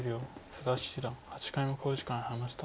佐田七段８回目の考慮時間に入りました。